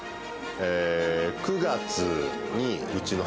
９月にうちの母親。